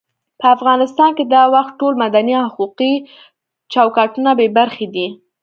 په افغانستان کې دا وخت ټول مدني او حقوقي چوکاټونه بې برخې دي.